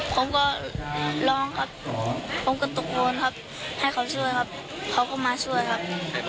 พ่อของเพื่อนครับ